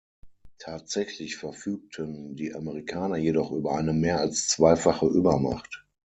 Tatsächlich verfügten die Amerikaner jedoch über eine mehr als zweifache Übermacht.